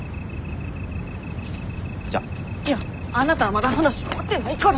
いやあなたはまだ話終わってないから。